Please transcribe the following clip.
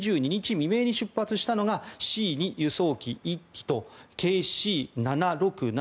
未明に出発したのがＣ２輸送機１機とＫＣ７６７